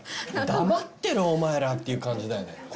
黙ってろお前らっていう感じだよね。